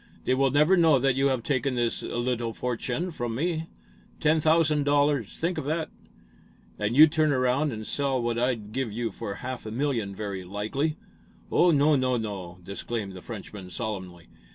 They will never know that you have taken this little fortune from me. Ten thousand dollars! Think of that!" "And you'd turn around and sell what I'd, give you for a half a million, very likely." "Oh, no, no, no!" disclaimed the Frenchman, solemnly.